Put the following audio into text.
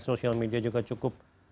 social media juga cukup